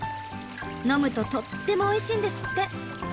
飲むととってもおいしいんですって！